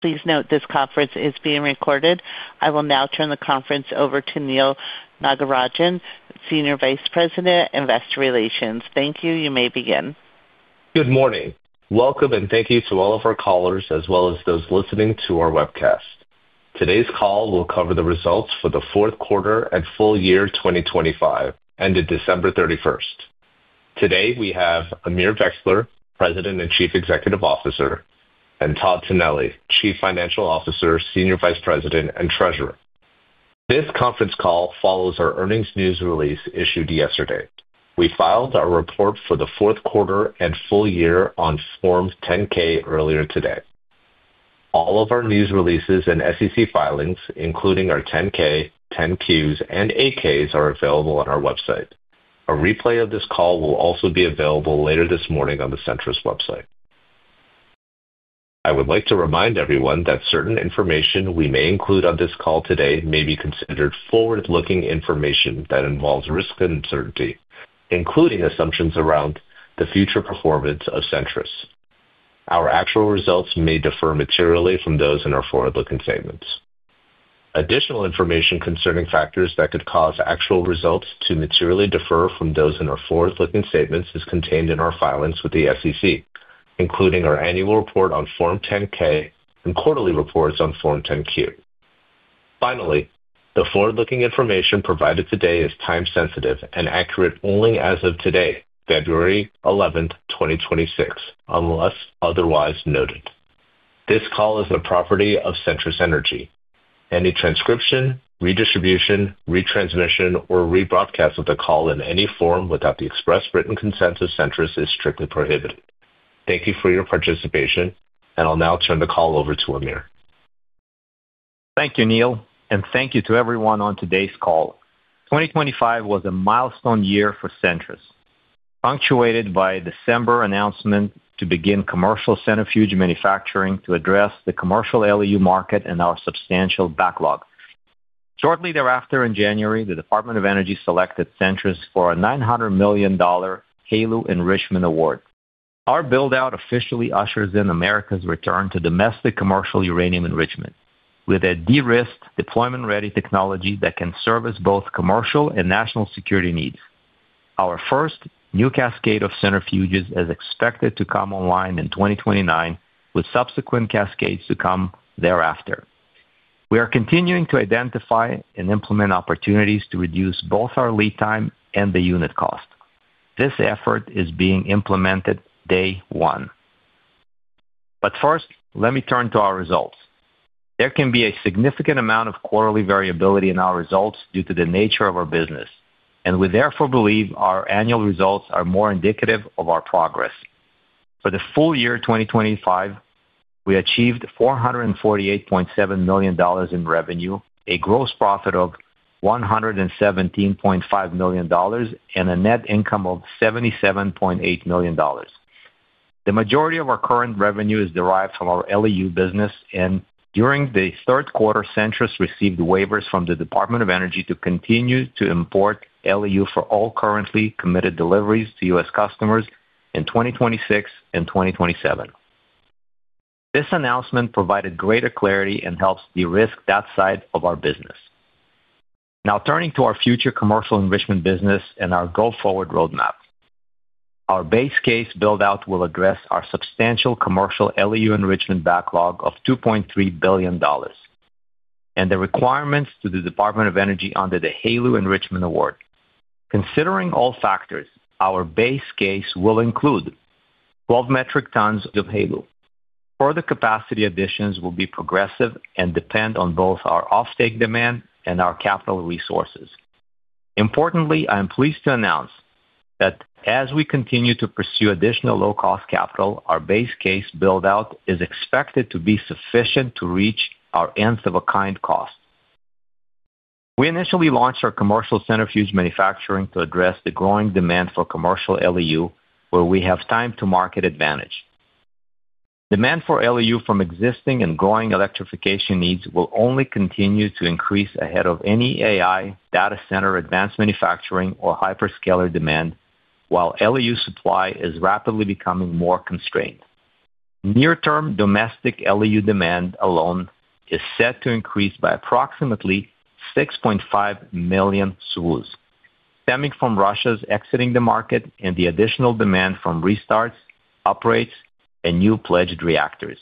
Please note this conference is being recorded. I will now turn the conference over to Neal Nagarajan, Senior Vice President, Investor Relations. Thank you, you may begin. Good morning. Welcome and thank you to all of our callers as well as those listening to our webcast. Today's call will cover the results for the fourth quarter and full year 2025, ended December 31. Today we have Amir Vexler, President and Chief Executive Officer, and Todd Tonelli, Chief Financial Officer, Senior Vice President, and Treasurer. This conference call follows our earnings news release issued yesterday. We filed our report for the fourth quarter and full year on Form 10-K earlier today. All of our news releases and SEC filings, including our 10-K, 10-Qs, and 8-Ks, are available on our website. A replay of this call will also be available later this morning on the Centrus website. I would like to remind everyone that certain information we may include on this call today may be considered forward-looking information that involves risk and uncertainty, including assumptions around the future performance of Centrus. Our actual results may differ materially from those in our forward-looking statements. Additional information concerning factors that could cause actual results to materially differ from those in our forward-looking statements is contained in our filings with the SEC, including our annual report on Form 10-K and quarterly reports on Form 10-Q. Finally, the forward-looking information provided today is time-sensitive and accurate only as of today, February 11, 2026, unless otherwise noted. This call is the property of Centrus Energy. Any transcription, redistribution, retransmission, or rebroadcast of the call in any form without the express written consent of Centrus is strictly prohibited. Thank you for your participation, and I'll now turn the call over to Amir. Thank you, Neal, and thank you to everyone on today's call. 2025 was a milestone year for Centrus, punctuated by December announcement to begin commercial centrifuge manufacturing to address the commercial LEU market and our substantial backlog. Shortly thereafter, in January, the Department of Energy selected Centrus for a $900 million HALEU Enrichment Award. Our buildout officially ushers in America's return to domestic commercial uranium enrichment, with a de-risked, deployment-ready technology that can service both commercial and national security needs. Our first new cascade of centrifuges is expected to come online in 2029, with subsequent cascades to come thereafter. We are continuing to identify and implement opportunities to reduce both our lead time and the unit cost. This effort is being implemented day one. But first, let me turn to our results. There can be a significant amount of quarterly variability in our results due to the nature of our business, and we therefore believe our annual results are more indicative of our progress. For the full year 2025, we achieved $448.7 million in revenue, a gross profit of $117.5 million, and a net income of $77.8 million. The majority of our current revenue is derived from our LEU business, and during the third quarter, Centrus received waivers from the Department of Energy to continue to import LEU for all currently committed deliveries to U.S. customers in 2026 and 2027. This announcement provided greater clarity and helps de-risk that side of our business. Now turning to our future commercial enrichment business and our go-forward roadmap. Our base case buildout will address our substantial commercial LEU enrichment backlog of $2.3 billion and the requirements to the Department of Energy under the HALEU Enrichment Award. Considering all factors, our base case will include 12 metric tons of HALEU. Further capacity additions will be progressive and depend on both our offtake demand and our capital resources. Importantly, I am pleased to announce that as we continue to pursue additional low-cost capital, our base case buildout is expected to be sufficient to reach our nth-of-a-kind costs. We initially launched our commercial centrifuge manufacturing to address the growing demand for commercial LEU, where we have time-to-market advantage. Demand for LEU from existing and growing electrification needs will only continue to increase ahead of any AI, data center advanced manufacturing, or hyperscaler demand, while LEU supply is rapidly becoming more constrained. Near-term domestic LEU demand alone is set to increase by approximately 6.5 million SWUs, stemming from Russia's exiting the market and the additional demand from restarts, upgrades, and new pledged reactors.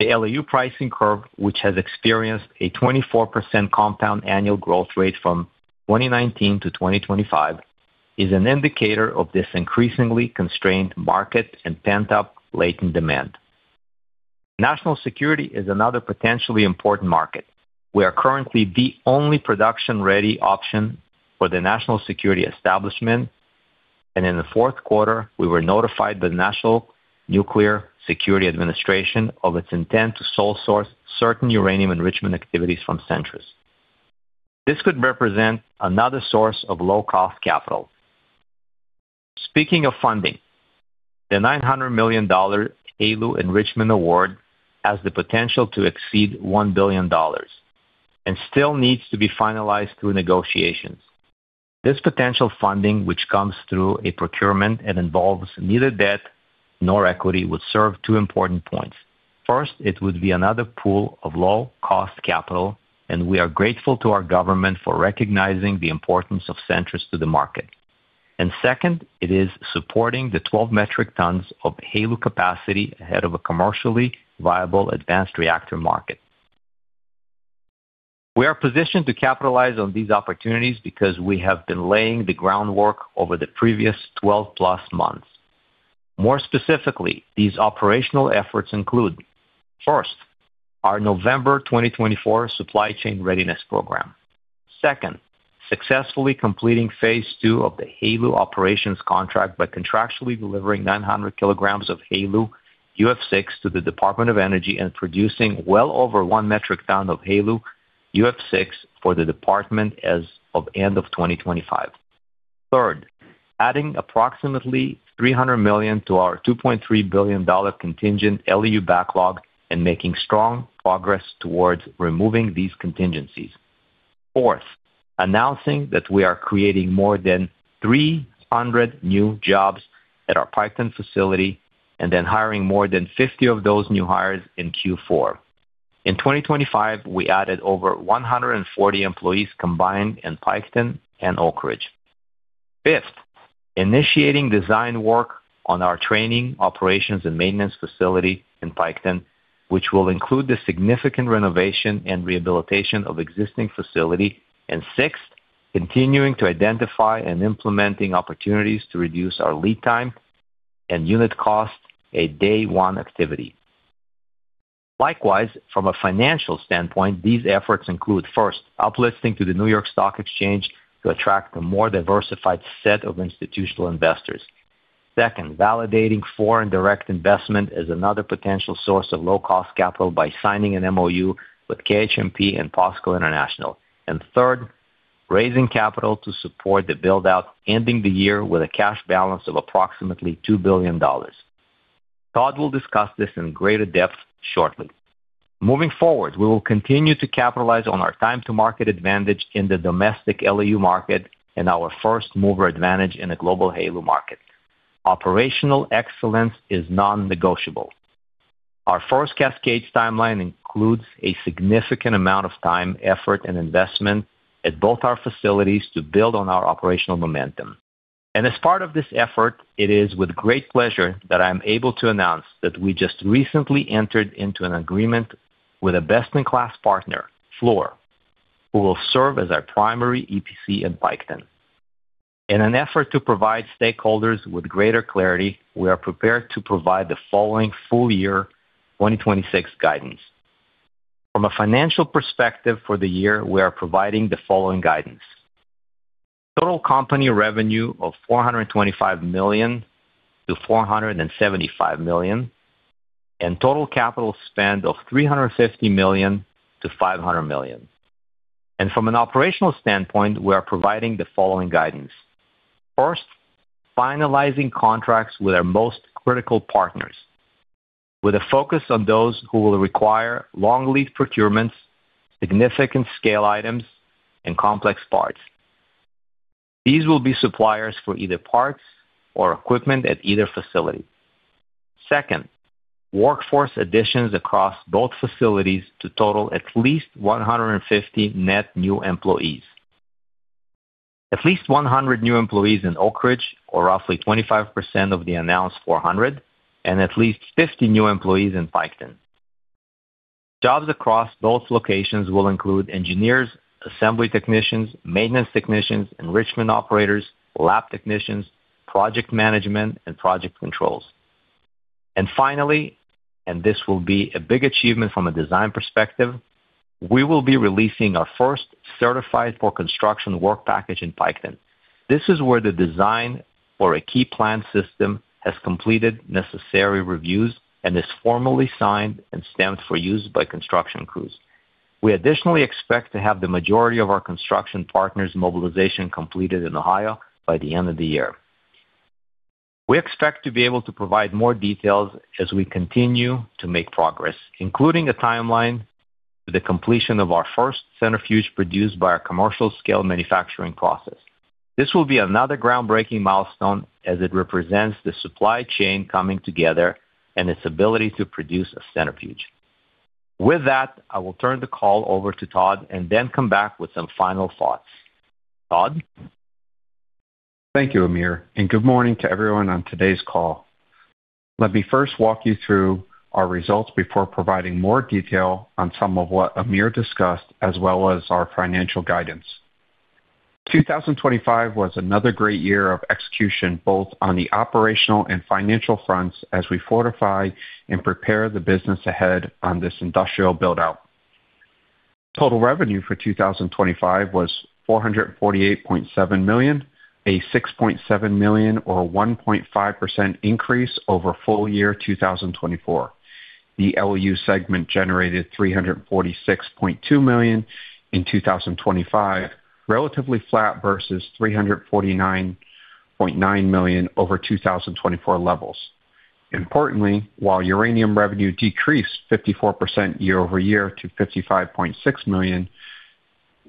The LEU pricing curve, which has experienced a 24% compound annual growth rate from 2019 to 2025, is an indicator of this increasingly constrained market and pent-up latent demand. National security is another potentially important market. We are currently the only production-ready option for the national security establishment, and in the fourth quarter, we were notified by the National Nuclear Security Administration of its intent to sole-source certain uranium enrichment activities from Centrus. This could represent another source of low-cost capital. Speaking of funding, the $900 million HALEU Enrichment Award has the potential to exceed $1 billion and still needs to be finalized through negotiations. This potential funding, which comes through a procurement and involves neither debt nor equity, would serve two important points. First, it would be another pool of low-cost capital, and we are grateful to our government for recognizing the importance of Centrus to the market. And second, it is supporting the 12 metric tons of HALEU capacity ahead of a commercially viable advanced reactor market. We are positioned to capitalize on these opportunities because we have been laying the groundwork over the previous 12-plus months. More specifically, these operational efforts include: first, our November 2024 supply chain readiness program. Second, successfully completing phase two of the HALEU Operations Contract by contractually delivering 900 kilograms of HALEU UF6 to the Department of Energy and producing well over 1 metric ton of HALEU UF6 for the department as of end of 2025. Third, adding approximately $300 million to our $2.3 billion contingent LEU backlog and making strong progress towards removing these contingencies. Fourth, announcing that we are creating more than 300 new jobs at our Piketon facility and then hiring more than 50 of those new hires in Q4. In 2025, we added over 140 employees combined in Piketon and Oak Ridge. Fifth, initiating design work on our training, operations, and maintenance facility in Piketon, which will include the significant renovation and rehabilitation of existing facility, and sixth, continuing to identify and implementing opportunities to reduce our lead time and unit costs a day-one activity. Likewise, from a financial standpoint, these efforts include: first, uplisting to the New York Stock Exchange to attract a more diversified set of institutional investors; second, validating foreign direct investment as another potential source of low-cost capital by signing an MOU with KHNP and POSCO International; and third, raising capital to support the buildout ending the year with a cash balance of approximately $2 billion. Todd will discuss this in greater depth shortly. Moving forward, we will continue to capitalize on our time-to-market advantage in the domestic LEU market and our first-mover advantage in the global HALEU market. Operational excellence is non-negotiable. Our first cascade timeline includes a significant amount of time, effort, and investment at both our facilities to build on our operational momentum. As part of this effort, it is with great pleasure that I am able to announce that we just recently entered into an agreement with a best-in-class partner, Fluor, who will serve as our primary EPC in Piketon. In an effort to provide stakeholders with greater clarity, we are prepared to provide the following full year 2026 guidance. From a financial perspective for the year, we are providing the following guidance: total company revenue of $425 million-$475 million, and total capital spend of $350 million-$500 million. From an operational standpoint, we are providing the following guidance: first, finalizing contracts with our most critical partners, with a focus on those who will require long-lead procurements, significant scale items, and complex parts. These will be suppliers for either parts or equipment at either facility. Second, workforce additions across both facilities to total at least 150 net new employees. At least 100 new employees in Oak Ridge, or roughly 25% of the announced 400, and at least 50 new employees in Piketon. Jobs across both locations will include engineers, assembly technicians, maintenance technicians, enrichment operators, lab technicians, project management, and project controls. And finally - and this will be a big achievement from a design perspective - we will be releasing our first certified-for-construction work package in Piketon. This is where the design for a key plant system has completed necessary reviews and is formally signed and stamped for use by construction crews. We additionally expect to have the majority of our construction partners' mobilization completed in Ohio by the end of the year. We expect to be able to provide more details as we continue to make progress, including a timeline to the completion of our first centrifuge produced by our commercial-scale manufacturing process. This will be another groundbreaking milestone as it represents the supply chain coming together and its ability to produce a centrifuge. With that, I will turn the call over to Todd and then come back with some final thoughts. Todd? Thank you, Amir, and good morning to everyone on today's call. Let me first walk you through our results before providing more detail on some of what Amir discussed, as well as our financial guidance. 2025 was another great year of execution both on the operational and financial fronts as we fortify and prepare the business ahead on this industrial buildout. Total revenue for 2025 was $448.7 million, a $6.7 million or 1.5% increase over full year 2024. The LEU segment generated $346.2 million in 2025, relatively flat versus $349.9 million over 2024 levels. Importantly, while uranium revenue decreased 54% year-over-year to $55.6 million,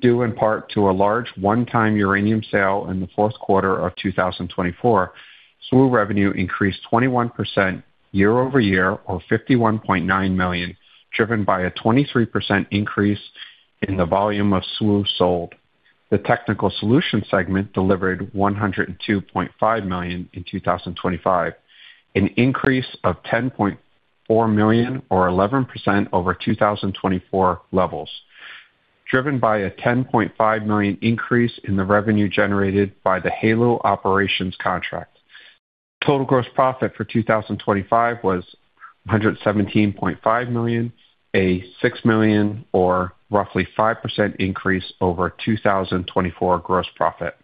due in part to a large one-time uranium sale in the fourth quarter of 2024, SWU revenue increased 21% year-over-year, or $51.9 million, driven by a 23% increase in the volume of SWU sold. The technical solution segment delivered $102.5 million in 2025, an increase of $10.4 million or 11% over 2024 levels, driven by a $10.5 million increase in the revenue generated by the HALEU Operations Contract. Total gross profit for 2025 was $117.5 million, a $6 million or roughly 5% increase over 2024 gross profit.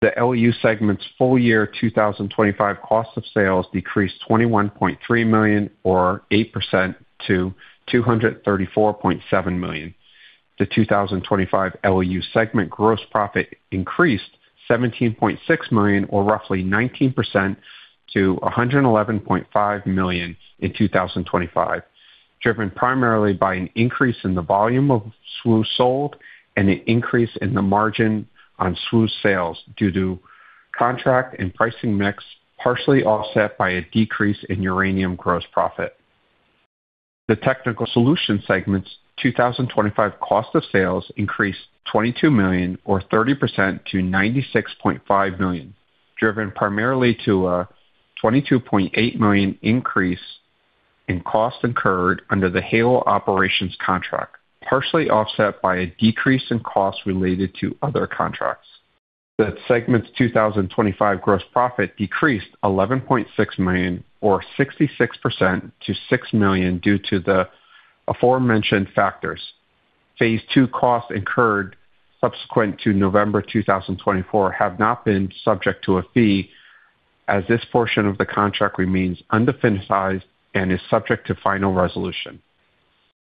The LEU segment's full year 2025 cost of sales decreased $21.3 million or 8% to $234.7 million. The 2025 LEU segment gross profit increased $17.6 million or roughly 19% to $111.5 million in 2025, driven primarily by an increase in the volume of SWU sold and an increase in the margin on SWU sales due to contract and pricing mix partially offset by a decrease in uranium gross profit. The technical solutions segment's 2025 cost of sales increased $22 million or 30% to $96.5 million, driven primarily to a $22.8 million increase in cost incurred under the HALEU Operations Contract, partially offset by a decrease in costs related to other contracts. The segment's 2025 gross profit decreased $11.6 million or 66% to $6 million due to the aforementioned factors. Phase two costs incurred subsequent to November 2024 have not been subject to a fee as this portion of the contract remains undefinitized and is subject to final resolution.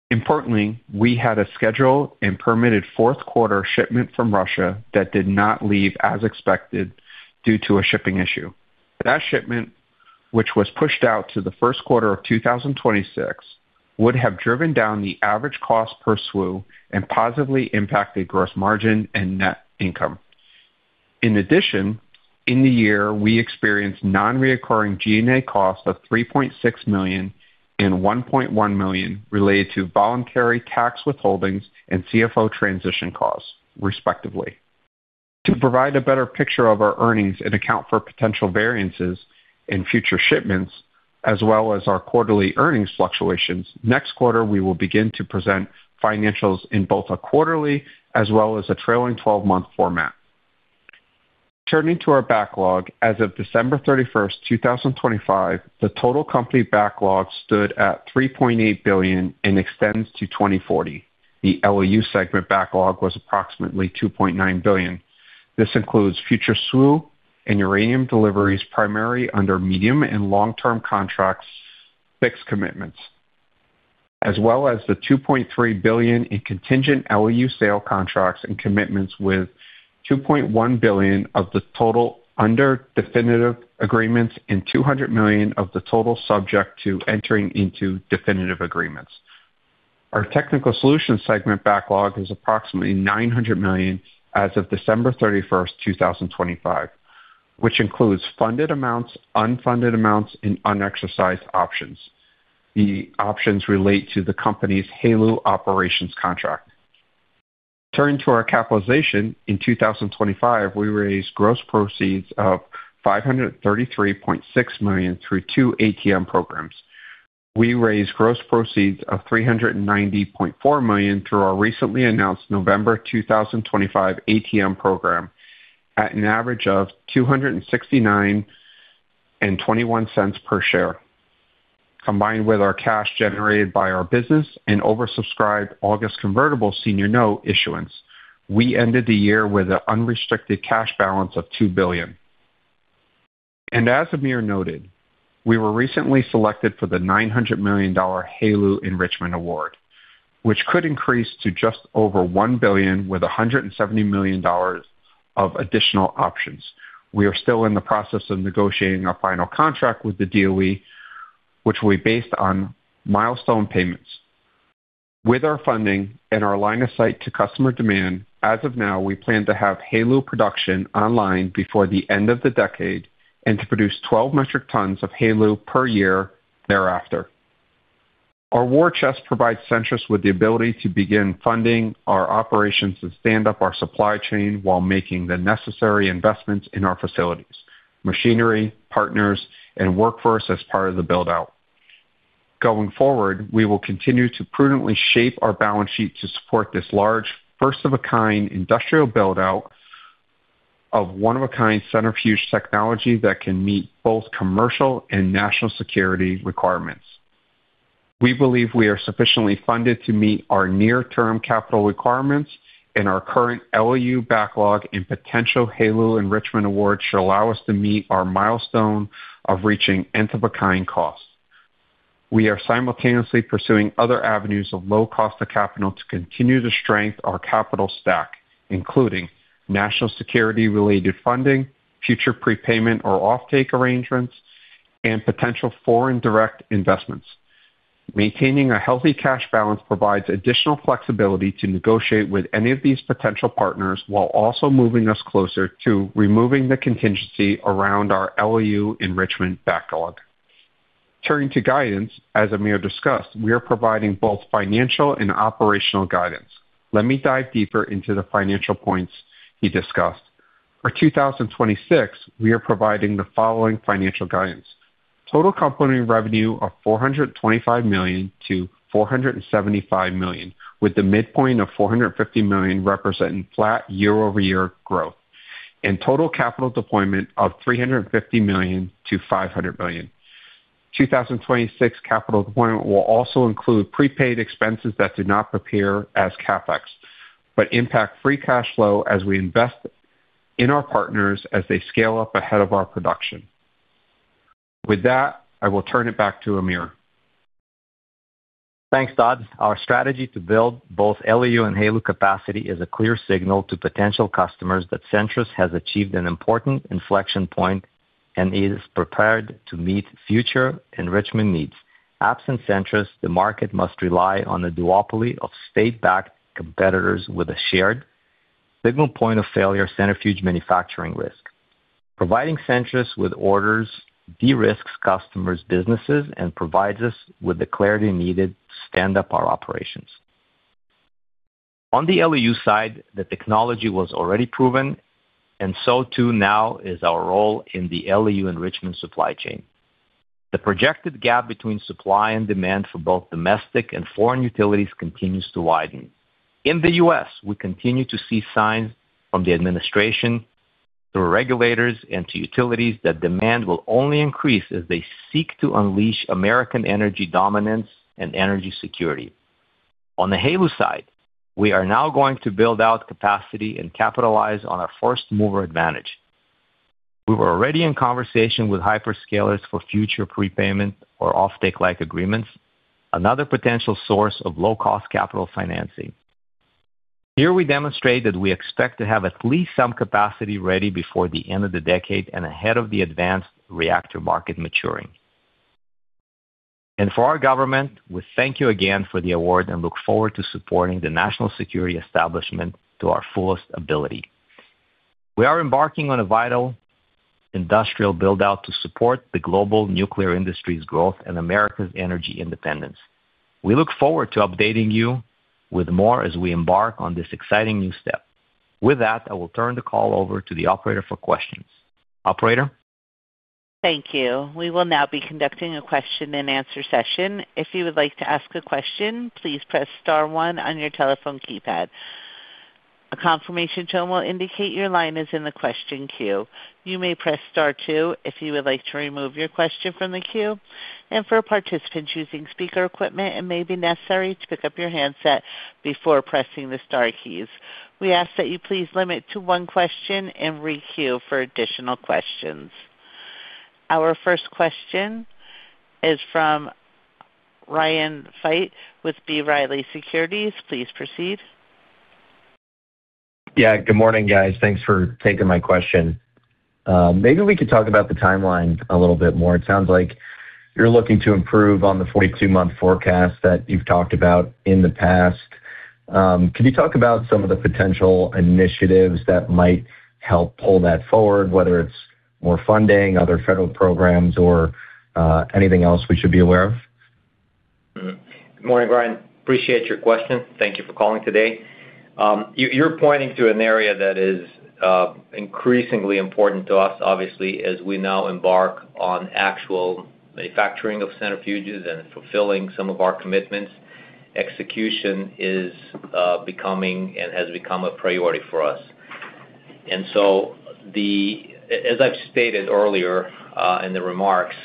Importantly, we had a scheduled and permitted fourth quarter shipment from Russia that did not leave as expected due to a shipping issue. That shipment, which was pushed out to the first quarter of 2026, would have driven down the average cost per SWU and positively impacted gross margin and net income. In addition, in the year, we experienced nonrecurring G&A costs of $3.6 million and $1.1 million related to voluntary tax withholdings and CFO transition costs, respectively. To provide a better picture of our earnings and account for potential variances in future shipments, as well as our quarterly earnings fluctuations, next quarter we will begin to present financials in both a quarterly as well as a trailing 12-month format. Turning to our backlog, as of December 31, 2025, the total company backlog stood at $3.8 billion and extends to 2040. The LEU segment backlog was approximately $2.9 billion. This includes future SWU and uranium deliveries primarily under medium- and long-term contracts, fixed commitments, as well as the $2.3 billion in contingent LEU sale contracts and commitments with $2.1 billion of the total under definitive agreements and $200 million of the total subject to entering into definitive agreements. Our technical solutions segment backlog is approximately $900 million as of December 31, 2025, which includes funded amounts, unfunded amounts, and unexercised options. The options relate to the company's HALEU Operations Contract. Turning to our capitalization, in 2025, we raised gross proceeds of $533.6 million through two ATM programs. We raised gross proceeds of $390.4 million through our recently announced November 2025 ATM program at an average of $269.21 per share. Combined with our cash generated by our business and oversubscribed August Convertible Senior Note issuance, we ended the year with an unrestricted cash balance of $2 billion. And as Amir noted, we were recently selected for the $900 million HALEU Enrichment Award, which could increase to just over $1 billion with $170 million of additional options. We are still in the process of negotiating our final contract with the DOE, which will be based on milestone payments. With our funding and our line of sight to customer demand, as of now, we plan to have HALEU production online before the end of the decade and to produce 12 metric tons of HALEU per year thereafter. Our war chest provides Centrus with the ability to begin funding our operations and stand up our supply chain while making the necessary investments in our facilities, machinery, partners, and workforce as part of the buildout. Going forward, we will continue to prudently shape our balance sheet to support this large, first-of-a-Kind industrial buildout of one-of-a-kind centrifuge technology that can meet both commercial and national security requirements. We believe we are sufficiently funded to meet our near-term capital requirements, and our current LEU backlog and potential HALEU Enrichment Awards should allow us to meet our milestone of reaching nth-of-a-kind costs. We are simultaneously pursuing other avenues of low cost to capital to continue to strengthen our capital stack, including national security-related funding, future prepayment or offtake arrangements, and potential foreign direct investments. Maintaining a healthy cash balance provides additional flexibility to negotiate with any of these potential partners while also moving us closer to removing the contingency around our LEU enrichment backlog. Turning to guidance, as Amir discussed, we are providing both financial and operational guidance. Let me dive deeper into the financial points he discussed. For 2026, we are providing the following financial guidance: total company revenue of $425-$475 million, with the midpoint of $450 million representing flat year-over-year growth, and total capital deployment of $350-$500 million. 2026 capital deployment will also include prepaid expenses that do not appear as CapEx but impact free cash flow as we invest in our partners as they scale up ahead of our production. With that, I will turn it back to Amir. Thanks, Todd. Our strategy to build both LEU and HALEU capacity is a clear signal to potential customers that Centrus has achieved an important inflection point and is prepared to meet future enrichment needs. Absent Centrus, the market must rely on a duopoly of state-backed competitors with a shared single point of failure centrifuge manufacturing risk. Providing Centrus with orders de-risks customers' businesses and provides us with the clarity needed to stand up our operations. On the LEU side, the technology was already proven, and so too now is our role in the LEU enrichment supply chain. The projected gap between supply and demand for both domestic and foreign utilities continues to widen. In the U.S., we continue to see signs from the administration, through regulators, and to utilities that demand will only increase as they seek to unleash American energy dominance and energy security. On the HALEU side, we are now going to build out capacity and capitalize on our first-mover advantage. We were already in conversation with hyperscalers for future prepayment or offtake-like agreements, another potential source of low-cost capital financing. Here we demonstrate that we expect to have at least some capacity ready before the end of the decade and ahead of the advanced reactor market maturing. For our government, we thank you again for the award and look forward to supporting the national security establishment to our fullest ability. We are embarking on a vital industrial buildout to support the global nuclear industry's growth and America's energy independence. We look forward to updating you with more as we embark on this exciting new step. With that, I will turn the call over to the operator for questions. Operator? Thank you. We will now be conducting a question-and-answer session. If you would like to ask a question, please press star one on your telephone keypad. A confirmation tone will indicate your line is in the question queue. You may press star two if you would like to remove your question from the queue. For participants using speaker equipment, it may be necessary to pick up your handset before pressing the star keys. We ask that you please limit to one question and re-queue for additional questions. Our first question is from Ryan Pfingst with B. Riley Securities. Please proceed. Yeah. Good morning, guys. Thanks for taking my question. Maybe we could talk about the timeline a little bit more. It sounds like you're looking to improve on the 42-month forecast that you've talked about in the past. Can you talk about some of the potential initiatives that might help pull that forward, whether it's more funding, other federal programs, or anything else we should be aware of? Good morning, Ryan. Appreciate your question. Thank you for calling today. You're pointing to an area that is increasingly important to us, obviously, as we now embark on actual manufacturing of centrifuges and fulfilling some of our commitments. Execution is becoming and has become a priority for us. And so, as I've stated earlier in the remarks,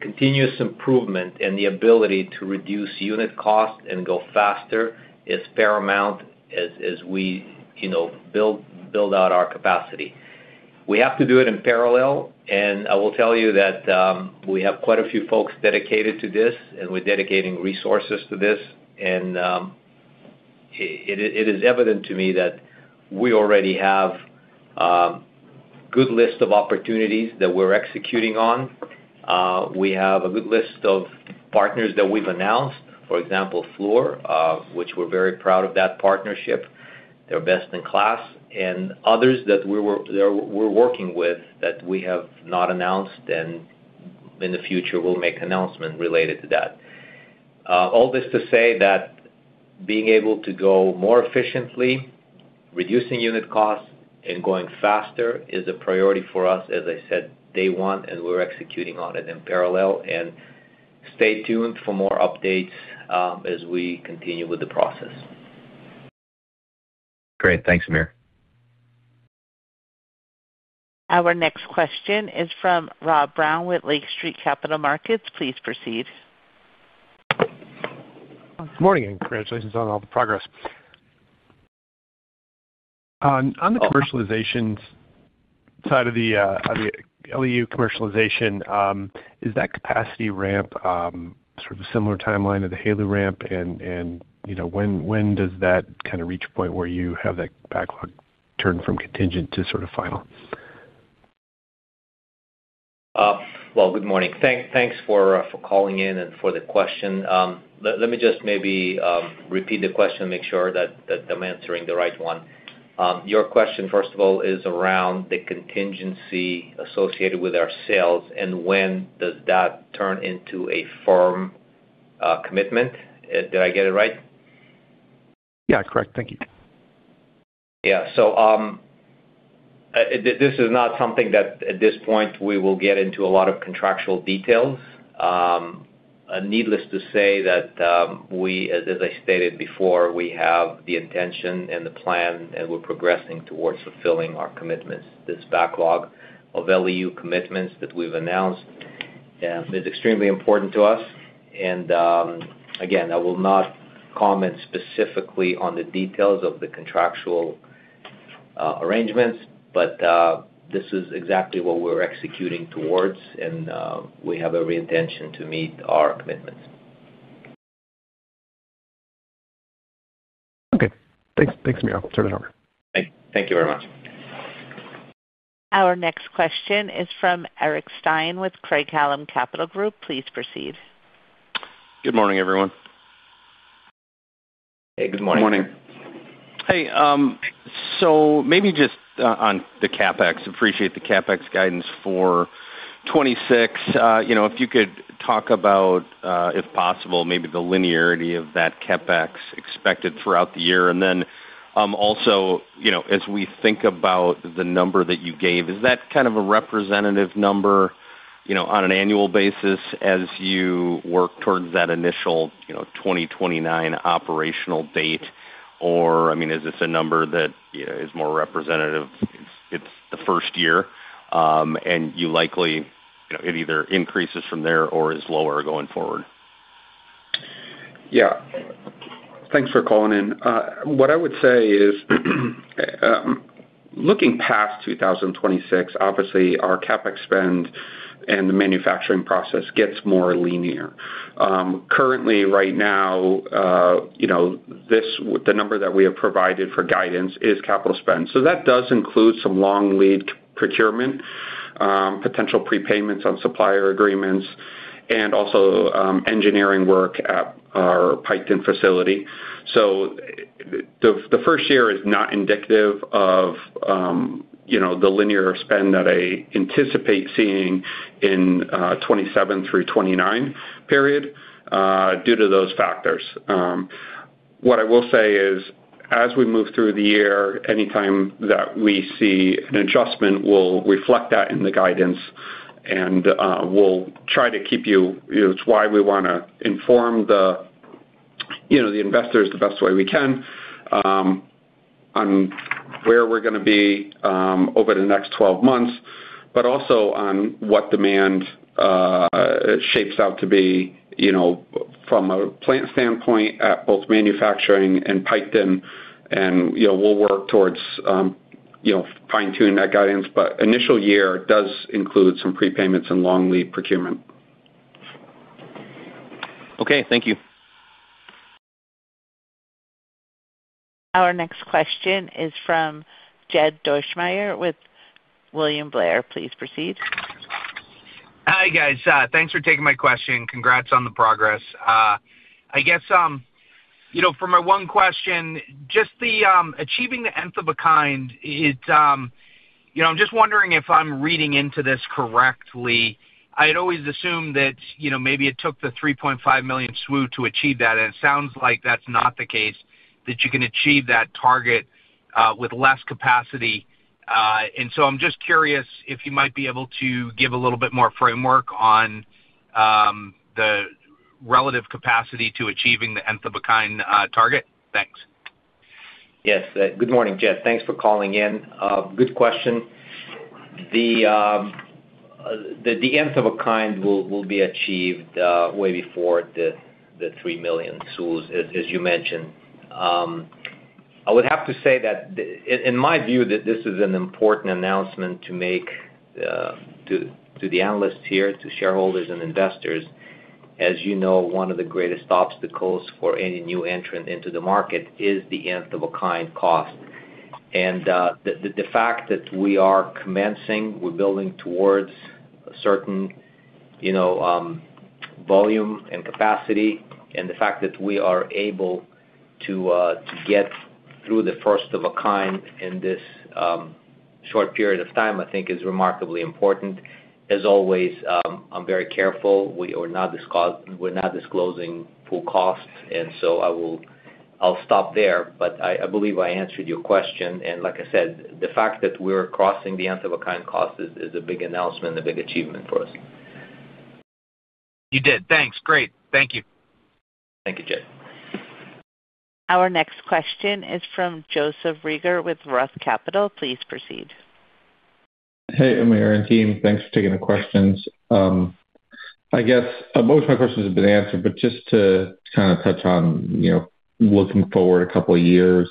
continuous improvement and the ability to reduce unit cost and go faster is paramount as we build out our capacity. We have to do it in parallel, and I will tell you that we have quite a few folks dedicated to this, and we're dedicating resources to this. And it is evident to me that we already have a good list of opportunities that we're executing on. We have a good list of partners that we've announced, for example, Fluor, which we're very proud of that partnership. They're best in class. Others that we're working with that we have not announced and in the future will make announcements related to that. All this to say that being able to go more efficiently, reducing unit costs, and going faster is a priority for us, as I said, day one, and we're executing on it in parallel. Stay tuned for more updates as we continue with the process. Great. Thanks, Amir. Our next question is from Rob Brown with Lake Street Capital Markets. Please proceed. Good morning, and congratulations on all the progress. On the commercialization side of the LEU commercialization, is that capacity ramp sort of a similar timeline to the HALEU ramp, and when does that kind of reach a point where you have that backlog turned from contingent to sort of final? Well, good morning. Thanks for calling in and for the question. Let me just maybe repeat the question and make sure that I'm answering the right one. Your question, first of all, is around the contingency associated with our sales, and when does that turn into a firm commitment? Did I get it right? Yeah, correct. Thank you. Yeah. So this is not something that at this point we will get into a lot of contractual details. Needless to say that, as I stated before, we have the intention and the plan, and we're progressing towards fulfilling our commitments. This backlog of LEU commitments that we've announced is extremely important to us. And again, I will not comment specifically on the details of the contractual arrangements, but this is exactly what we're executing towards, and we have every intention to meet our commitments. Okay. Thanks, Amir. I'll turn it over. Thank you very much. Our next question is from Eric Stine with Craig-Hallum Capital Group. Please proceed. Good morning, everyone. Hey, good morning. Good morning. Hey, so maybe just on the CapEx. Appreciate the CapEx guidance for 2026. If you could talk about, if possible, maybe the linearity of that CapEx expected throughout the year. And then also, as we think about the number that you gave, is that kind of a representative number on an annual basis as you work towards that initial 2029 operational date? Or, I mean, is this a number that is more representative? It's the first year, and you likely it either increases from there or is lower going forward. Yeah. Thanks for calling in. What I would say is, looking past 2026, obviously, our CapEx spend and the manufacturing process gets more linear. Currently, right now, the number that we have provided for guidance is capital spend. So that does include some long lead procurement, potential prepayments on supplier agreements, and also engineering work at our Piketon facility. So the first year is not indicative of the linear spend that I anticipate seeing in 2027 through 2029 period due to those factors. What I will say is, as we move through the year, anytime that we see an adjustment, we'll reflect that in the guidance, and we'll try to keep you. It's why we want to inform the investors the best way we can on where we're going to be over the next 12 months, but also on what demand shapes out to be from a plant standpoint at both manufacturing and Piketon. We'll work towards fine-tuning that guidance, but initial year does include some prepayments and long lead procurement. Okay. Thank you. Our next question is from Jed Dorsheimer with William Blair. Please proceed. Hi, guys. Thanks for taking my question. Congrats on the progress. I guess, for my one question, just achieving the nth-of-a-kind, I'm just wondering if I'm reading into this correctly. I had always assumed that maybe it took the 3.5 million SWU to achieve that, and it sounds like that's not the case, that you can achieve that target with less capacity. And so I'm just curious if you might be able to give a little bit more framework on the relative capacity to achieving the nth-of-a-kind target. Thanks. Yes. Good morning, Jed. Thanks for calling in. Good question. The nth-of-a-kind will be achieved way before the 3 million SWUs, as you mentioned. I would have to say that, in my view, that this is an important announcement to make to the analysts here, to shareholders and investors. As you know, one of the greatest obstacles for any new entrant into the market is the nth-of-a-kind cost. And the fact that we are commencing, we're building towards a certain volume and capacity, and the fact that we are able to get through the first-of-a-kind in this short period of time, I think, is remarkably important. As always, I'm very careful. We're not disclosing full costs, and so I'll stop there. But I believe I answered your question. And like I said, the fact that we're crossing the nth-of-a-kind cost is a big announcement, a big achievement for us. You did. Thanks. Great. Thank you. Thank you, Jed. Our next question is from Joseph Reagor with Roth Capital. Please proceed. Hey, Amir and team. Thanks for taking the questions. I guess most of my questions have been answered, but just to kind of touch on looking forward a couple of years,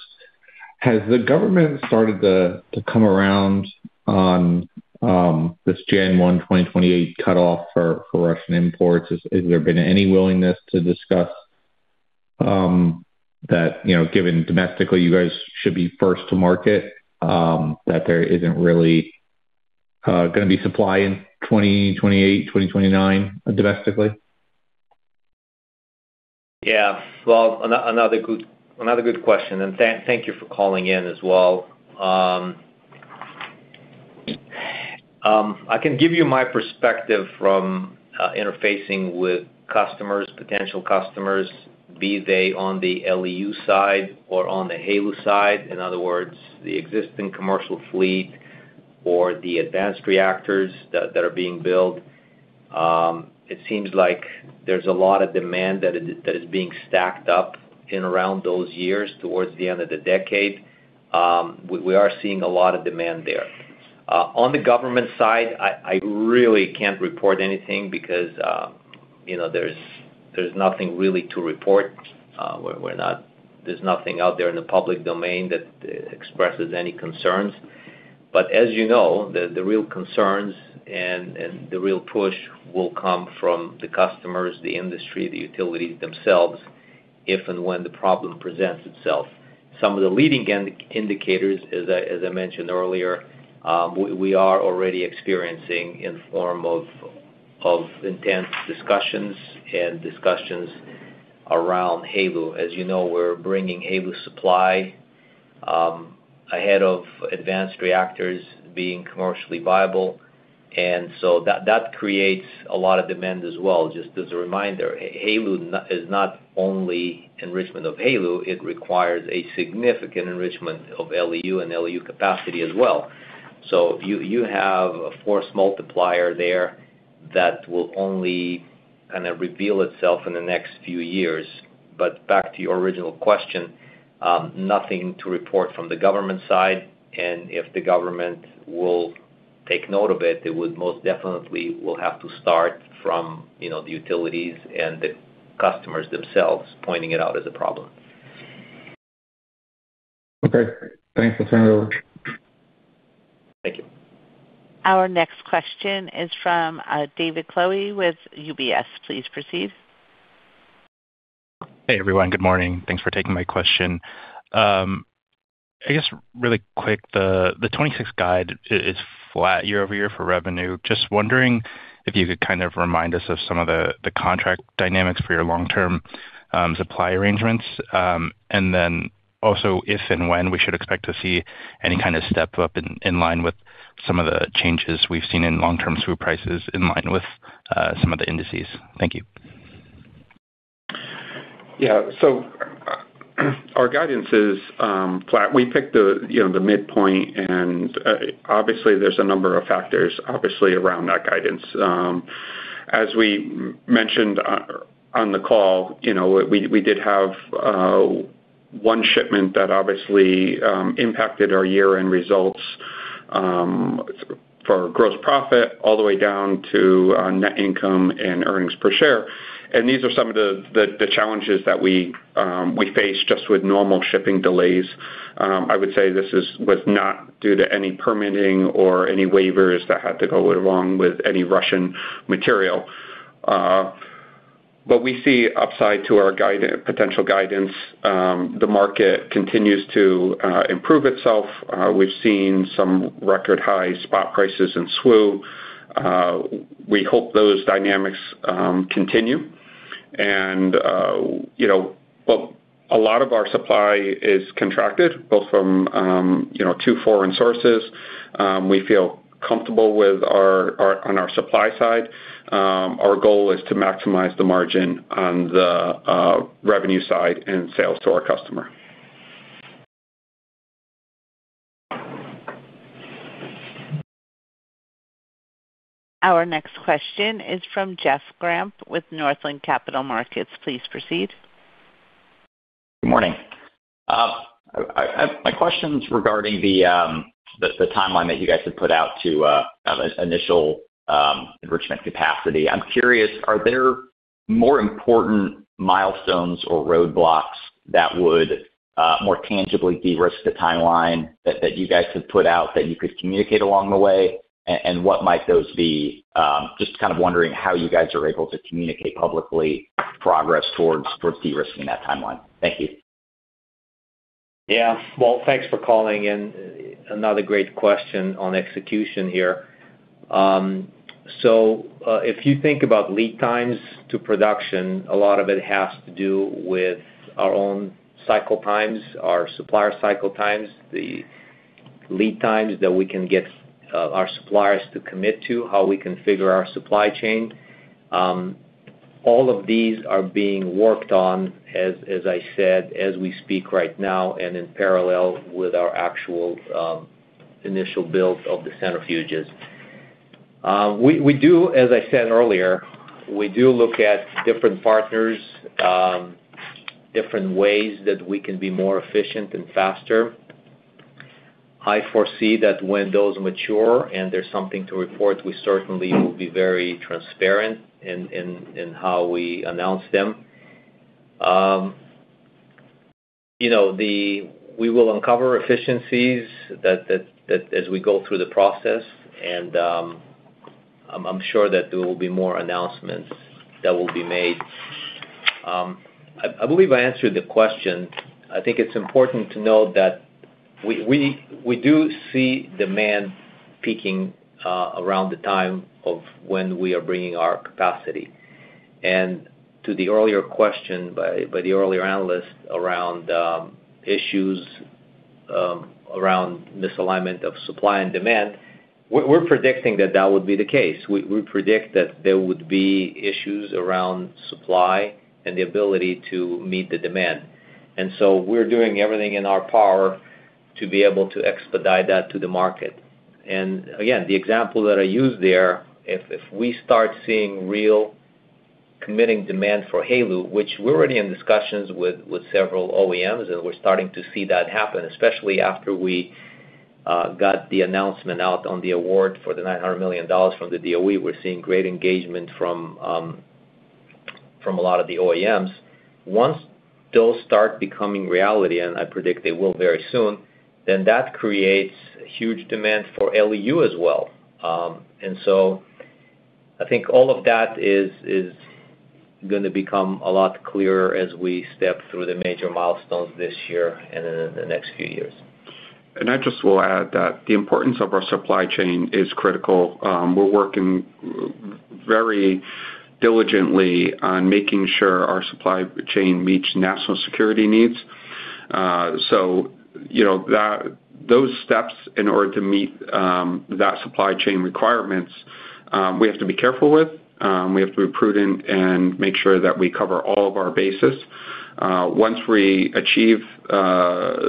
has the government started to come around on this January 1, 2028, cutoff for Russian imports? Has there been any willingness to discuss that, given domestically, you guys should be first to market, that there isn't really going to be supply in 2028, 2029, domestically? Yeah. Well, another good question. Thank you for calling in as well. I can give you my perspective from interfacing with customers, potential customers, be they on the LEU side or on the HALEU side, in other words, the existing commercial fleet or the advanced reactors that are being built. It seems like there's a lot of demand that is being stacked up in and around those years towards the end of the decade. We are seeing a lot of demand there. On the government side, I really can't report anything because there's nothing really to report. There's nothing out there in the public domain that expresses any concerns. But as you know, the real concerns and the real push will come from the customers, the industry, the utilities themselves, if and when the problem presents itself. Some of the leading indicators, as I mentioned earlier, we are already experiencing in the form of intense discussions and discussions around HALEU. As you know, we're bringing HALEU supply ahead of advanced reactors being commercially viable. And so that creates a lot of demand as well. Just as a reminder, HALEU is not only enrichment of HALEU. It requires a significant enrichment of LEU and LEU capacity as well. So you have a force multiplier there that will only kind of reveal itself in the next few years. But back to your original question, nothing to report from the government side. And if the government will take note of it, it most definitely will have to start from the utilities and the customers themselves pointing it out as a problem. Okay. Thanks. I'll turn it over. Thank you. Our next question is from David Choe with UBS. Please proceed. Hey, everyone. Good morning. Thanks for taking my question. I guess, really quick, the 2026 guide is flat year-over-year for revenue. Just wondering if you could kind of remind us of some of the contract dynamics for your long-term supply arrangements, and then also if and when we should expect to see any kind of step up in line with some of the changes we've seen in long-term SWU prices in line with some of the indices? Thank you. Yeah. So our guidance is flat. We picked the midpoint. And obviously, there's a number of factors, obviously, around that guidance. As we mentioned on the call, we did have one shipment that obviously impacted our year-end results for gross profit all the way down to net income and earnings per share. And these are some of the challenges that we face just with normal shipping delays. I would say this was not due to any permitting or any waivers that had to go along with any Russian material. But we see upside to our potential guidance. The market continues to improve itself. We've seen some record-high spot prices in SWU. We hope those dynamics continue. But a lot of our supply is contracted, both from two foreign sources. We feel comfortable on our supply side. Our goal is to maximize the margin on the revenue side and sales to our customer. Our next question is from Jeff Grampp with Northland Capital Markets. Please proceed. Good morning. My question's regarding the timeline that you guys had put out to initial enrichment capacity. I'm curious, are there more important milestones or roadblocks that would more tangibly de-risk the timeline that you guys have put out that you could communicate along the way? And what might those be? Just kind of wondering how you guys are able to communicate publicly progress towards de-risking that timeline. Thank you. Yeah. Well, thanks for calling in. Another great question on execution here. So if you think about lead times to production, a lot of it has to do with our own cycle times, our supplier cycle times, the lead times that we can get our suppliers to commit to, how we configure our supply chain. All of these are being worked on, as I said, as we speak right now and in parallel with our actual initial build of the centrifuges. As I said earlier, we do look at different partners, different ways that we can be more efficient and faster. I foresee that when those mature and there's something to report, we certainly will be very transparent in how we announce them. We will uncover efficiencies as we go through the process, and I'm sure that there will be more announcements that will be made. I believe I answered the question. I think it's important to note that we do see demand peaking around the time of when we are bringing our capacity. And to the earlier question by the earlier analyst around issues around misalignment of supply and demand, we're predicting that that would be the case. We predict that there would be issues around supply and the ability to meet the demand. And so we're doing everything in our power to be able to expedite that to the market. And again, the example that I used there, if we start seeing real committing demand for HALEU, which we're already in discussions with several OEMs, and we're starting to see that happen, especially after we got the announcement out on the award for the $900 million from the DOE, we're seeing great engagement from a lot of the OEMs. Once those start becoming reality, and I predict they will very soon, then that creates huge demand for LEU as well. And so I think all of that is going to become a lot clearer as we step through the major milestones this year and in the next few years. I just will add that the importance of our supply chain is critical. We're working very diligently on making sure our supply chain meets national security needs. So those steps in order to meet that supply chain requirements, we have to be careful with. We have to be prudent and make sure that we cover all of our bases. Once we achieve those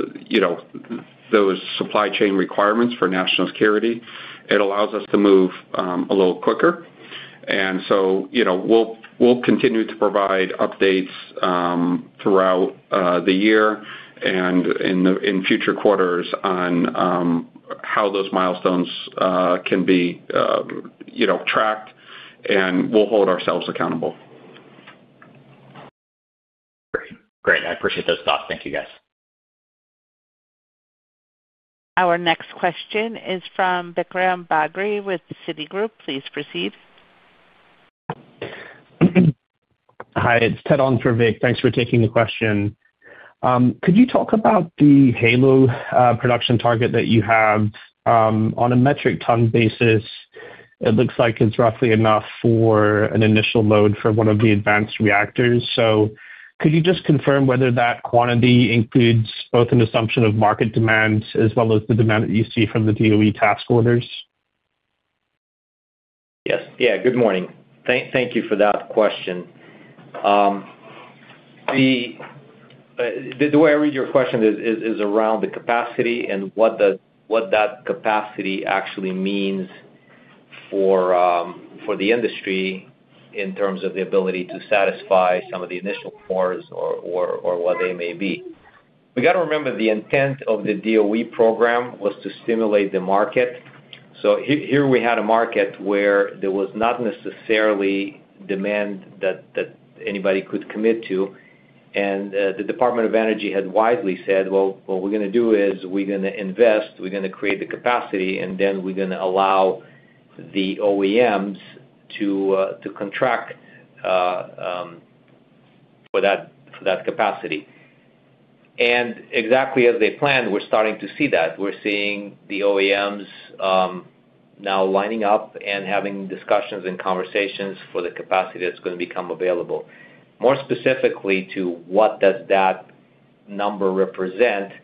supply chain requirements for national security, it allows us to move a little quicker. And so we'll continue to provide updates throughout the year and in future quarters on how those milestones can be tracked, and we'll hold ourselves accountable. Great. Great. I appreciate those thoughts. Thank you, guys. Our next question is from Vikram Bagri with Citigroup. Please proceed. Hi. It's Ted on for Vik. Thanks for taking the question. Could you talk about the HALEU production target that you have? On a metric-ton basis, it looks like it's roughly enough for an initial load for one of the advanced reactors. So could you just confirm whether that quantity includes both an assumption of market demand as well as the demand that you see from the DOE task orders? Yes. Yeah. Good morning. Thank you for that question. The way I read your question is around the capacity and what that capacity actually means for the industry in terms of the ability to satisfy some of the initial requirements or what they may be. We got to remember the intent of the DOE program was to stimulate the market. So here we had a market where there was not necessarily demand that anybody could commit to. And the Department of Energy had wisely said, "Well, what we're going to do is we're going to invest. We're going to create the capacity, and then we're going to allow the OEMs to contract for that capacity." And exactly as they planned, we're starting to see that. We're seeing the OEMs now lining up and having discussions and conversations for the capacity that's going to become available. More specifically, to what does that number represent?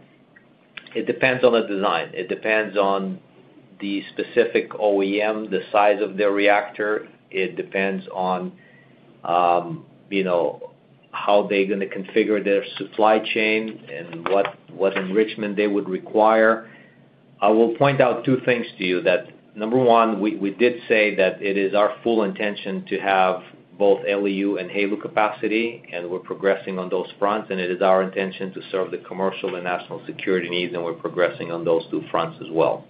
It depends on the design. It depends on the specific OEM, the size of their reactor. It depends on how they're going to configure their supply chain and what enrichment they would require. I will point out two things to you. Number one, we did say that it is our full intention to have both LEU and HALEU capacity, and we're progressing on those fronts. And it is our intention to serve the commercial and national security needs, and we're progressing on those two fronts as well.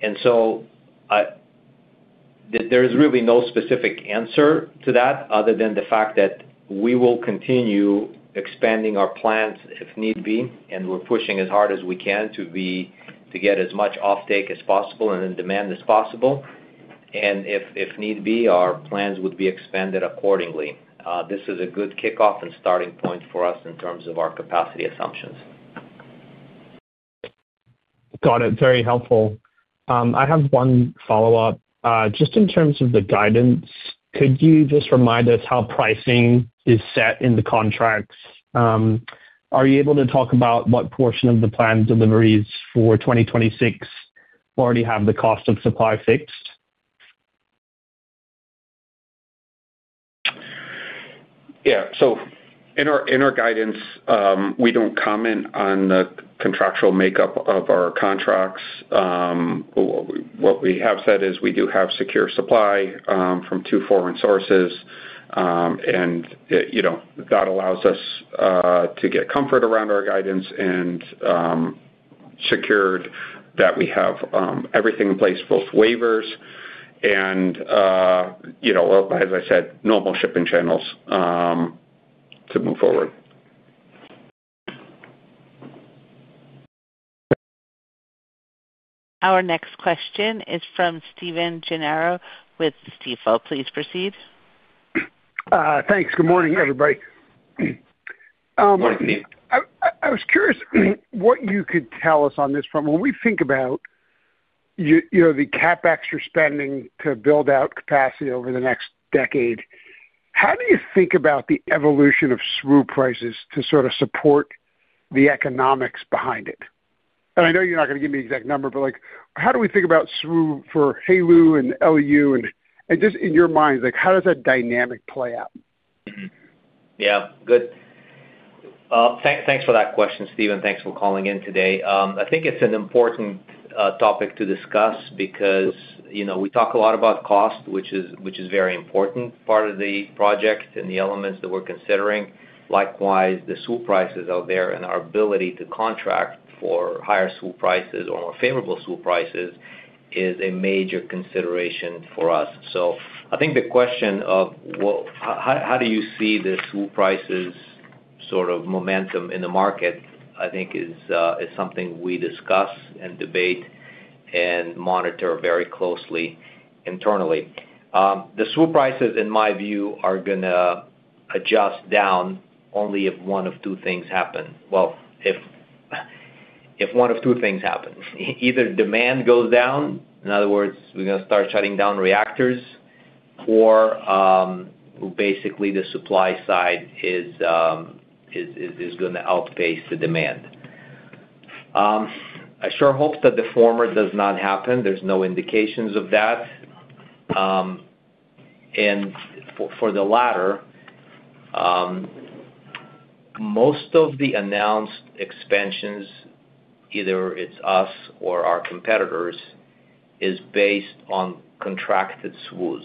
And so there is really no specific answer to that other than the fact that we will continue expanding our plants if need be, and we're pushing as hard as we can to get as much offtake as possible and in demand as possible. And if need be, our plans would be expanded accordingly. This is a good kickoff and starting point for us in terms of our capacity assumptions. Got it. Very helpful. I have one follow-up. Just in terms of the guidance, could you just remind us how pricing is set in the contracts? Are you able to talk about what portion of the plan deliveries for 2026 already have the cost of supply fixed? Yeah. So in our guidance, we don't comment on the contractual makeup of our contracts. What we have said is we do have secure supply from two foreign sources, and that allows us to get comfort around our guidance and secured that we have everything in place, both waivers and, as I said, normal shipping channels to move forward. Our next question is from Stephen Gengaro with Stifel. Please proceed. Thanks. Good morning, everybody. Morning, Steve. I was curious what you could tell us on this front. When we think about the CAPEX you're spending to build out capacity over the next decade, how do you think about the evolution of SWU prices to sort of support the economics behind it? And I know you're not going to give me the exact number, but how do we think about SWU for HALEU and LEU? And just in your mind, how does that dynamic play out? Yeah. Good. Thanks for that question, Stephen. Thanks for calling in today. I think it's an important topic to discuss because we talk a lot about cost, which is a very important part of the project and the elements that we're considering. Likewise, the SWU prices out there and our ability to contract for higher SWU prices or more favorable SWU prices is a major consideration for us. So I think the question of how do you see the SWU prices sort of momentum in the market, I think, is something we discuss and debate and monitor very closely internally. The SWU prices, in my view, are going to adjust down only if one of two things happen. Well, if one of two things happen. Either demand goes down—in other words, we're going to start shutting down reactors—or basically, the supply side is going to outpace the demand. I sure hope that the former does not happen. There's no indications of that. And for the latter, most of the announced expansions, either it's us or our competitors, is based on contracted SWUs.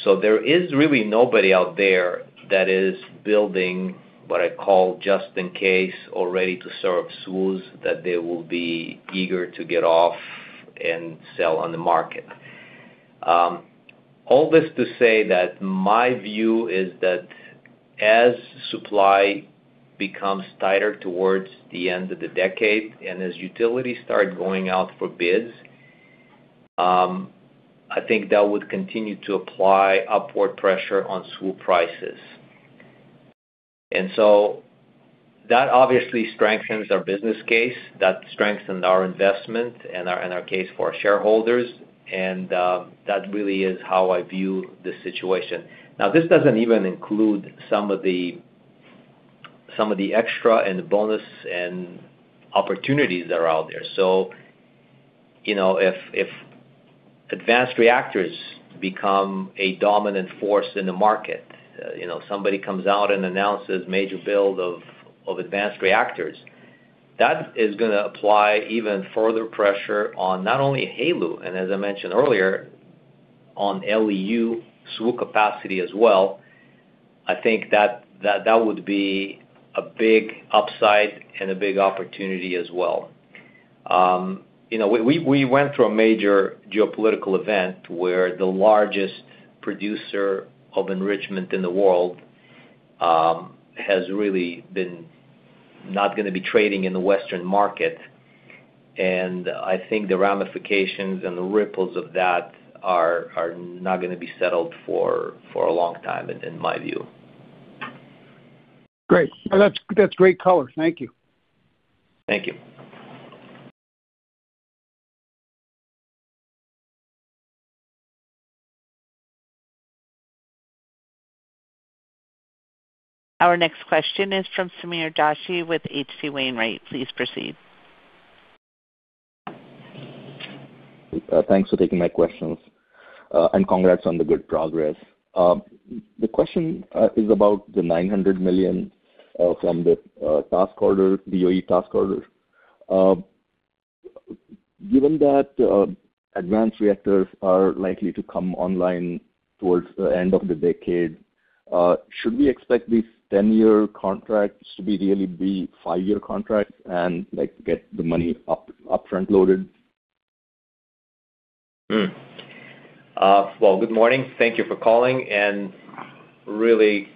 So there is really nobody out there that is building what I call just-in-case or ready-to-serve SWUs that they will be eager to get off and sell on the market. All this to say that my view is that as supply becomes tighter towards the end of the decade and as utilities start going out for bids, I think that would continue to apply upward pressure on SWU prices. And so that obviously strengthens our business case. That strengthened our investment and our case for our shareholders. That really is how I view the situation. Now, this doesn't even include some of the extra and bonus and opportunities that are out there. So if advanced reactors become a dominant force in the market, somebody comes out and announces major build of advanced reactors, that is going to apply even further pressure on not only HALEU and, as I mentioned earlier, on LEU SWU capacity as well. I think that would be a big upside and a big opportunity as well. We went through a major geopolitical event where the largest producer of enrichment in the world has really been not going to be trading in the Western market. And I think the ramifications and the ripples of that are not going to be settled for a long time, in my view. Great. That's great color. Thank you. Thank you. Our next question is from Sameer Joshi with H.C. Wainwright. Please proceed. Thanks for taking my questions, and congrats on the good progress. The question is about the $900 million from the DOE task order. Given that advanced reactors are likely to come online towards the end of the decade, should we expect these 10-year contracts to really be five-year contracts and get the money upfront loaded? Well, good morning. Thank you for calling, and really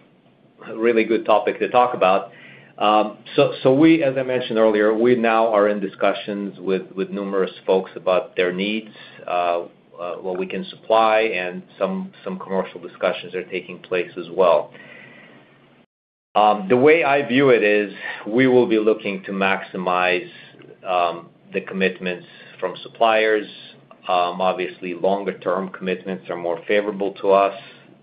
good topic to talk about. So as I mentioned earlier, we now are in discussions with numerous folks about their needs, what we can supply, and some commercial discussions are taking place as well. The way I view it is we will be looking to maximize the commitments from suppliers. Obviously, longer-term commitments are more favorable to us.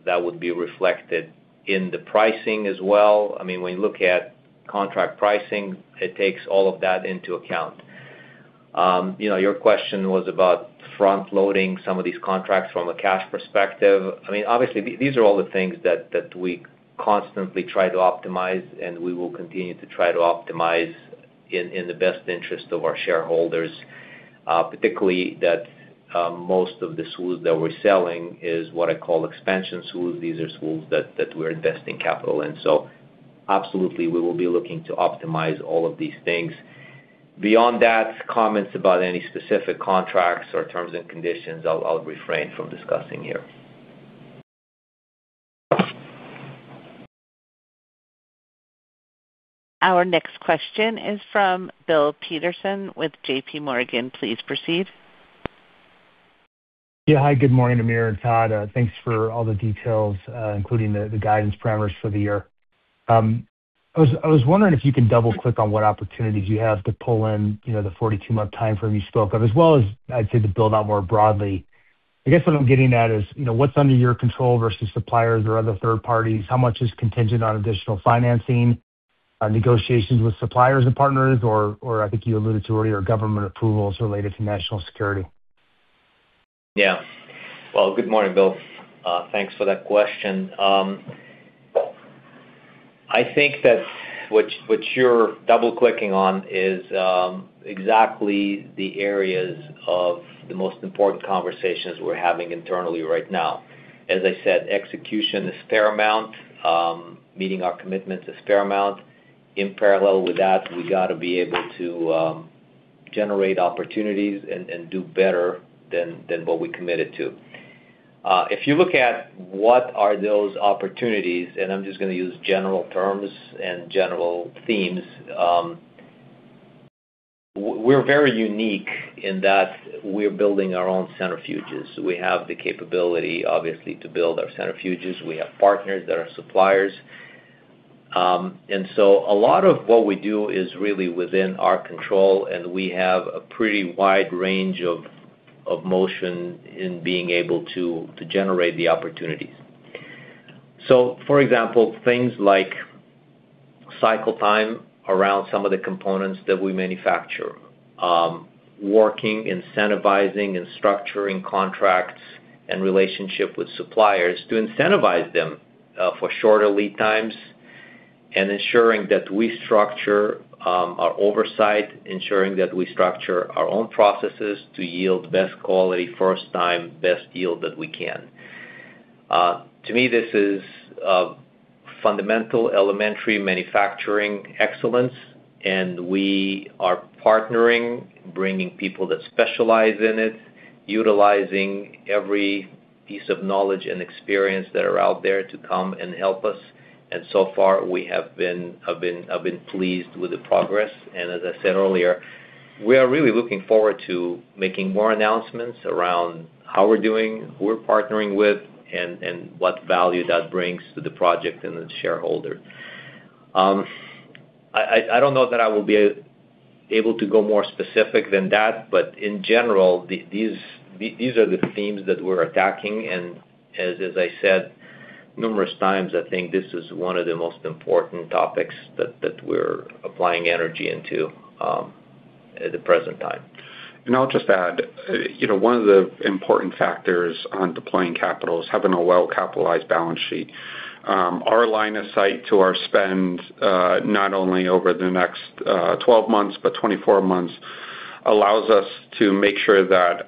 That would be reflected in the pricing as well. I mean, when you look at contract pricing, it takes all of that into account. Your question was about front-loading some of these contracts from a cash perspective. I mean, obviously, these are all the things that we constantly try to optimize, and we will continue to try to optimize in the best interest of our shareholders, particularly that most of the SWUs that we're selling is what I call expansion SWUs. These are SWUs that we're investing capital in. So absolutely, we will be looking to optimize all of these things. Beyond that, comments about any specific contracts or terms and conditions, I'll refrain from discussing here. Our next question is from Bill Peterson with JPMorgan. Please proceed. Yeah. Hi. Good morning, Amir and Todd. Thanks for all the details, including the guidance parameters for the year. I was wondering if you can double-click on what opportunities you have to pull in the 42-month timeframe you spoke of, as well as, I'd say, to build out more broadly. I guess what I'm getting at is what's under your control versus suppliers or other third parties? How much is contingent on additional financing, negotiations with suppliers and partners, or I think you alluded to earlier government approvals related to national security? Yeah. Well, good morning, Bill. Thanks for that question. I think that what you're double-clicking on is exactly the areas of the most important conversations we're having internally right now. As I said, execution is paramount. Meeting our commitments is paramount. In parallel with that, we got to be able to generate opportunities and do better than what we committed to. If you look at what are those opportunities - and I'm just going to use general terms and general themes - we're very unique in that we're building our own centrifuges. We have the capability, obviously, to build our centrifuges. We have partners that are suppliers. And so a lot of what we do is really within our control, and we have a pretty wide range of motion in being able to generate the opportunities. So for example, things like cycle time around some of the components that we manufacture, working, incentivizing, and structuring contracts and relationship with suppliers to incentivize them for shorter lead times and ensuring that we structure our oversight, ensuring that we structure our own processes to yield best quality, first-time, best yield that we can. To me, this is fundamental, elementary manufacturing excellence, and we are partnering, bringing people that specialize in it, utilizing every piece of knowledge and experience that are out there to come and help us. And so far, we have been pleased with the progress. And as I said earlier, we are really looking forward to making more announcements around how we're doing, who we're partnering with, and what value that brings to the project and the shareholder. I don't know that I will be able to go more specific than that, but in general, these are the themes that we're attacking. And as I said numerous times, I think this is one of the most important topics that we're applying energy into at the present time. I'll just add. One of the important factors on deploying capital is having a well-capitalized balance sheet. Our line of sight to our spend, not only over the next 12 months but 24 months, allows us to make sure that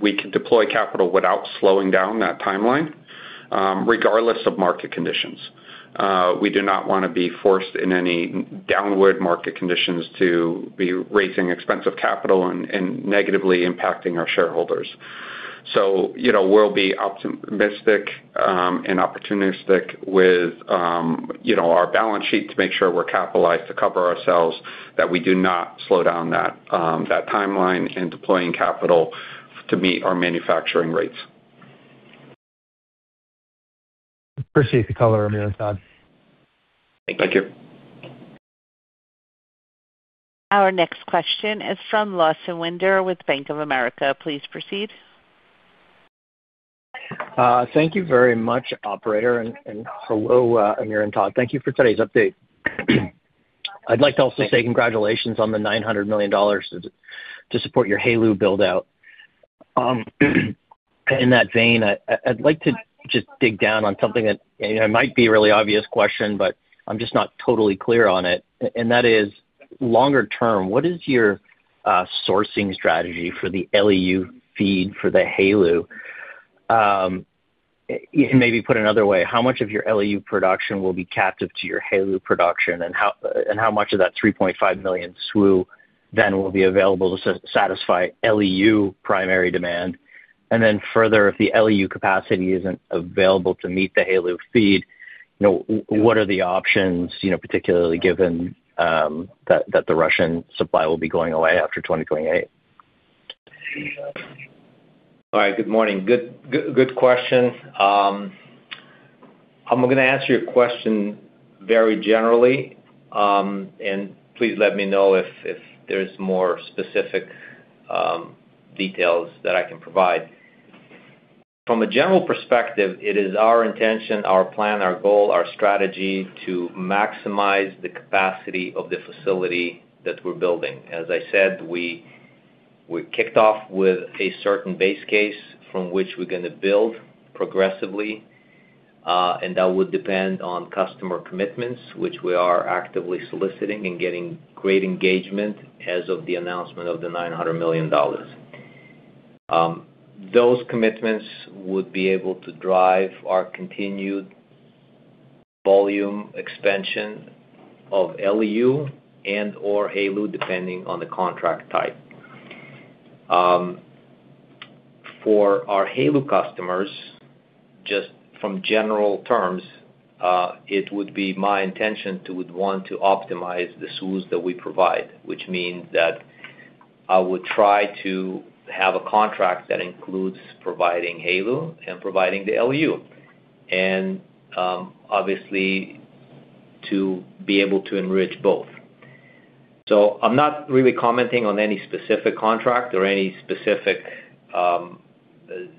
we can deploy capital without slowing down that timeline regardless of market conditions. We do not want to be forced in any downward market conditions to be raising expensive capital and negatively impacting our shareholders. So we'll be optimistic and opportunistic with our balance sheet to make sure we're capitalized to cover ourselves, that we do not slow down that timeline in deploying capital to meet our manufacturing rates. Appreciate the color, Amir and Todd. Thank you. Thank you. Our next question is from Lawson Winder with Bank of America. Please proceed. Thank you very much, operator, and hello, Amir and Todd. Thank you for today's update. I'd like to also say congratulations on the $900 million to support your HALEU buildout. In that vein, I'd like to just dig down on something that might be a really obvious question, but I'm just not totally clear on it, and that is, longer term, what is your sourcing strategy for the LEU feed for the HALEU? And maybe put another way, how much of your LEU production will be captive to your HALEU production, and how much of that 3.5 million SWU then will be available to satisfy LEU primary demand? And then further, if the LEU capacity isn't available to meet the HALEU feed, what are the options, particularly given that the Russian supply will be going away after 2028? All right. Good morning. Good question. I'm going to answer your question very generally, and please let me know if there's more specific details that I can provide. From a general perspective, it is our intention, our plan, our goal, our strategy to maximize the capacity of the facility that we're building. As I said, we kicked off with a certain base case from which we're going to build progressively, and that would depend on customer commitments, which we are actively soliciting and getting great engagement as of the announcement of the $900 million. Those commitments would be able to drive our continued volume expansion of LEU and/or HALEU, depending on the contract type. For our HALEU customers, just from general terms, it would be my intention to want to optimize the SWUs that we provide, which means that I would try to have a contract that includes providing HALEU and providing the LEU, and obviously, to be able to enrich both. So I'm not really commenting on any specific contract or any specific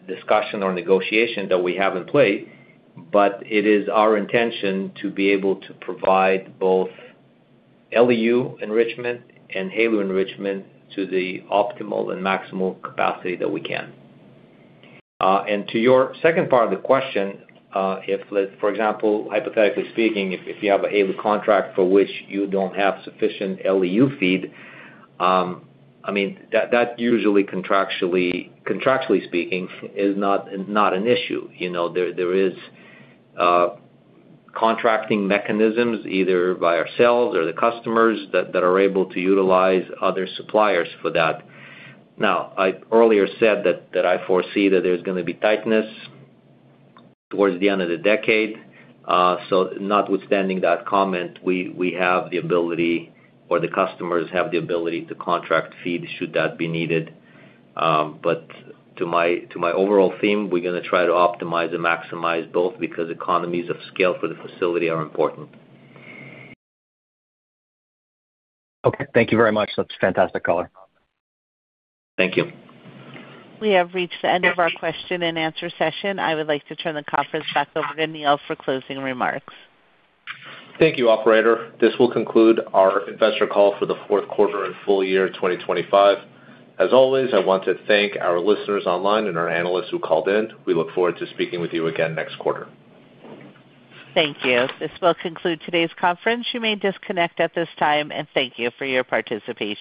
discussion or negotiation that we have in play, but it is our intention to be able to provide both LEU enrichment and HALEU enrichment to the optimal and maximal capacity that we can. And to your second part of the question, for example, hypothetically speaking, if you have a HALEU contract for which you don't have sufficient LEU feed, I mean, that usually, contractually speaking, is not an issue. There is contracting mechanisms, either by ourselves or the customers, that are able to utilize other suppliers for that. Now, I earlier said that I foresee that there's going to be tightness towards the end of the decade. So notwithstanding that comment, we have the ability or the customers have the ability to contract feed should that be needed. But to my overall theme, we're going to try to optimize and maximize both because economies of scale for the facility are important. Okay. Thank you very much. That's fantastic color. Thank you. We have reached the end of our question-and-answer session. I would like to turn the conference back over to Neal for closing remarks. Thank you, operator. This will conclude our investor call for the fourth quarter and full year 2025. As always, I want to thank our listeners online and our analysts who called in. We look forward to speaking with you again next quarter. Thank you. This will conclude today's conference. You may disconnect at this time, and thank you for your participation.